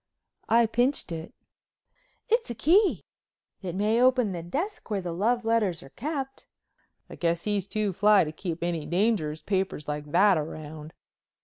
I pinched it. "It's a key. It may open the desk where the love letters are kept." "I guess he's too fly to keep any dangerous papers like that around."